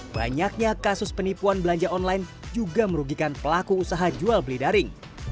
banyaknya kasus penipuan belanja online juga merugikan pelaku usaha jual beli daring